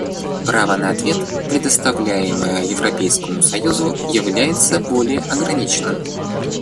Право на ответ, предоставляемое Европейскому союзу, является более ограниченным.